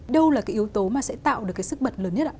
đâu là cái yếu tố mà sẽ tạo được cái sức bật lớn nhất ạ